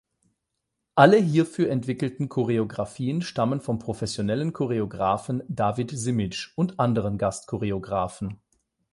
Alle hierfür entwickelten Choreographien stammen vom professionellen Choreographen David Simic und anderen Gast-Choreographen.